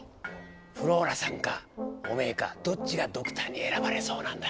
フローラさんかおめえかどっちがドクターに選ばれそうなんだ？